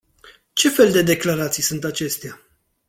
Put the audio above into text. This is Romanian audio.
Ce fel de declarații sunt acestea?